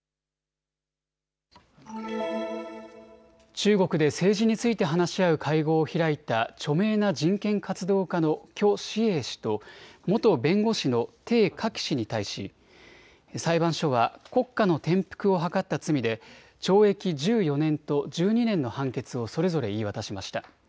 中国で政治について話し合う会合を開いた著名な人権活動家の許志永氏と元弁護士の丁家喜氏に対し裁判所は国家の転覆を謀った罪で懲役１４年と１２年の判決をそれぞれ言い渡しました。